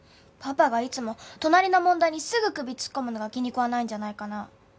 パパがいつも隣の問題にすぐ首突っ込むのが気に食わないんじゃないかな？